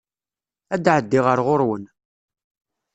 Ad d-ɛeddiɣ ar ɣuṛ-wen.